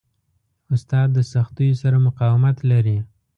استاد د سختیو سره مقاومت لري.